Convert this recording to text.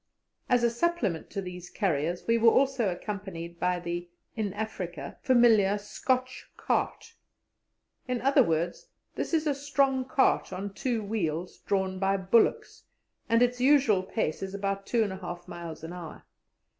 As a supplement to these carriers, we were also accompanied by the (in Africa) familiar "Scotch cart." In other words, this is a strong cart on two wheels, drawn by bullocks, and its usual pace is about two and a half miles an hour.